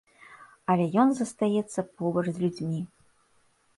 Але ён застаецца побач з людзьмі.